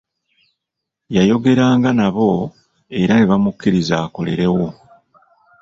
Yayogeranga nabo era nebamukiriza akolerewo.